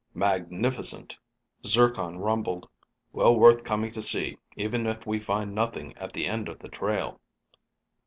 "Magnificent," Zircon rumbled. "Well worth coming to see, even if we find nothing at the end of the trail."